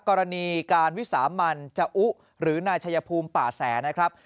กรณีการวิสามันจะอุหรือนายชัยภูมิป่าแสนะครับ